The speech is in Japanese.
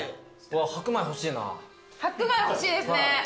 白米欲しいですね。